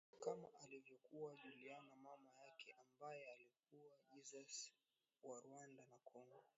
Kama alivyokuwa Juliana mama yake ambaye alikuwa jasusi wa Rwanda na congo